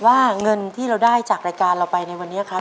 ว่าเงินที่เราได้จากรายการเราไปในวันนี้ครับ